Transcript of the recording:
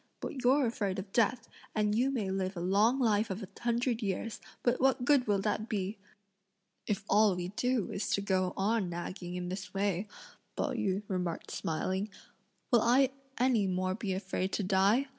but you're afraid of death; and you may live a long life of a hundred years, but what good will that be!" "If all we do is to go on nagging in this way," Pao yü remarked smiling, "will I any more be afraid to die?